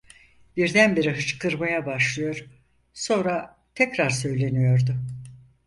Birdenbire hıçkırmaya başlıyor, sonra tekrar söyleniyordu: